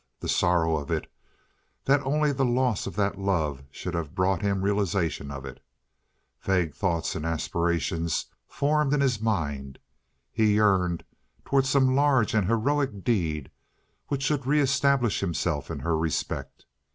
The sorrow of it, that only the loss of that love should have brought him realization of it. Vague thoughts and aspirations formed in his mind. He yearned toward some large and heroic deed which should re establish himself in her respect.